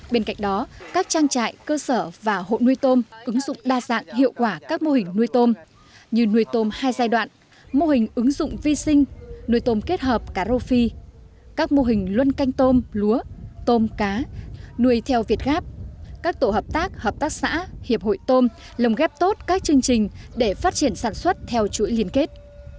bên cạnh đó các trang trại cơ sở và hộ nuôi tôm ứng dụng đa dạng hiệu quả các mô hình nuôi tôm như nuôi tôm hai giai đoạn mô hình ứng dụng vi sinh nuôi tôm kết hợp cá rô phi các mô hình luân canh tôm lúa tôm cá nuôi theo việt gáp các tổ hợp tác hợp tác xã hiệp hội tôm lồng ghép tốt các chương trình để phát triển sản xuất theo chuỗi liên kết